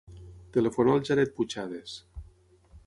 Telefona al Jared Puchades.